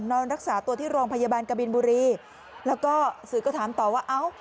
นอนรักษาตัวที่โรงพยาบาลกบินบุรีแล้วก็สื่อก็ถามต่อว่าเอ้า